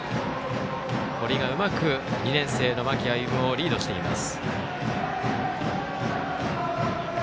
堀がうまく２年生の間木歩をリードしています。